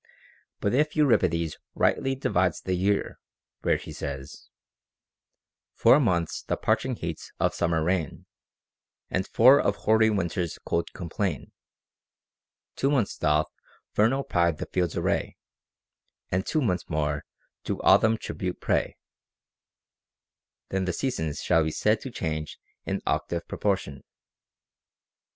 But if Euripides rightly divides the year, where he says, Four months the parching heats of summer reign, And four of hoary winter's cold complain ; Two months doth vernal pride the fields array, And two months more to autumn tribute pay, then the seasons shall be said to change in octave pro portion.